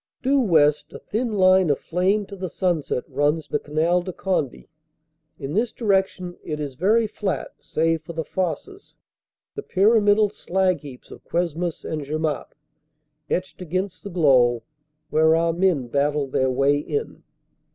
Due west, a thin line aflame to the sunset, runs the Canal de Conde; in this direction it is very flat, save for the "fosses," the pyramidal slag heaps of Cuesmes and Jemappes. etched against the glow, where our men battled their way in.